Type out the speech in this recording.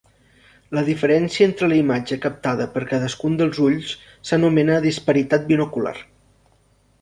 La diferència entre la imatge captada per cadascun dels ulls s'anomena disparitat binocular.